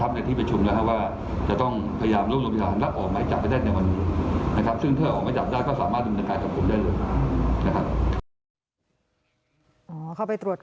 ครับในที่ประชุมนะครับว่าจะต้องพยายามร่วมรวมพิษฐาน